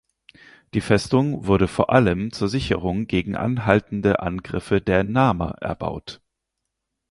Die Festung wurde vor allem zur Sicherung gegen anhaltende Angriffe der Nama erbaut.